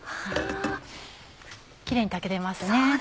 キレイに炊けてますね。